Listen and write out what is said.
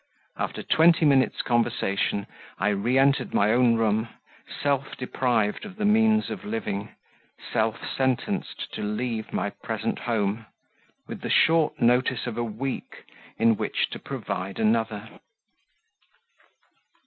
After twenty minutes' conversation, I re entered my own room, self deprived of the means of living, self sentenced to leave my present home, with the short notice of a week in which to provide another.